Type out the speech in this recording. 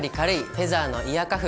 フェザーのイヤーカフ」。